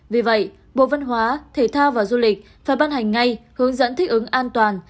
vì vậy bộ văn hóa thể thao và du lịch phải ban hành ngay hướng dẫn thích ứng an toàn